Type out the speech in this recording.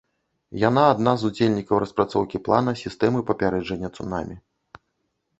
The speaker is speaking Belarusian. Яна адна з удзельнікаў распрацоўкі плана сістэмы папярэджання цунамі.